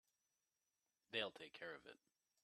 They'll take care of it.